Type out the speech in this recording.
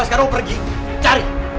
sekarang lo pergi cari